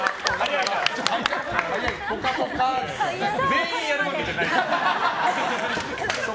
全員やるわけじゃない。